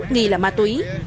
nghi là ma túy